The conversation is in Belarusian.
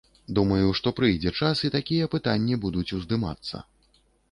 Думаю, што прыйдзе час, і такія пытанні будуць уздымацца.